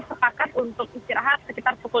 sepakat untuk istirahat sekitar pukul